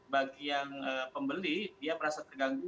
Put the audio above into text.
bagi yang pembeli dia merasa terganggu